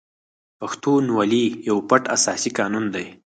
پښتونولي یو پټ اساسي قانون دی.